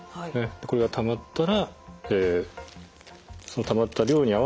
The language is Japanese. これがたまったらそのたまった量に合わせてですね